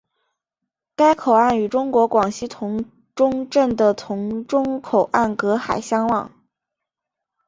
该口岸与中国广西峒中镇的峒中口岸隔河相望。